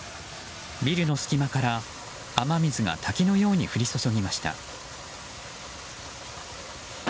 ビルの隙間から雨水が滝のように降り注ぎました。